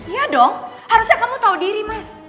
iya dong harusnya kamu tau diri mas